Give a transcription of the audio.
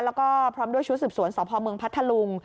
แล้วก็พร้อมด้วยชุดสืบสวนสพเมืองพัทธลุง